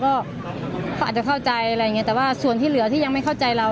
ก็เขาอาจจะเข้าใจอะไรอย่างเงี้แต่ว่าส่วนที่เหลือที่ยังไม่เข้าใจเรา